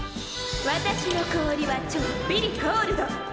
私の氷はちょっぴりコールド。